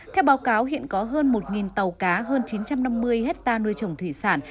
theo báo cáo hiện có hơn một tàu cá hơn chín trăm năm mươi hectare nuôi trồng thủy sản